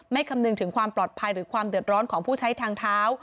คำนึงถึงความปลอดภัยหรือความเดือดร้อนของผู้ใช้ทางเท้า